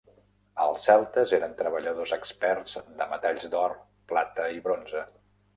Els celtes eren treballadors experts de metalls d'or, plata i bronze.